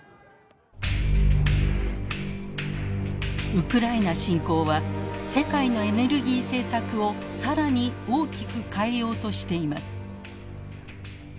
ウクライナ侵攻は世界のエネルギー政策を更に大きく変えようとしています。